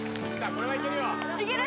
これはいけるよいける？